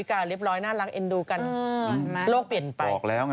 คึ่งออกมาพูดแล้ว